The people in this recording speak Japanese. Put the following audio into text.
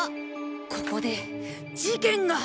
ここで事件が。